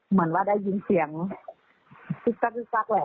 เหมือนว่าได้ยินเสียงกึ๊กซักแหละ